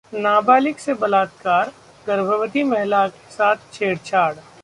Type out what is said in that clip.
नाबालिग से बलात्कार, गर्भवती महिला के साथ छेड़छाड़